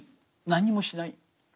何もしない。